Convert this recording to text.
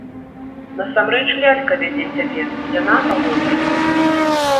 Насамрэч лялька вядзе цябе, яна галоўная!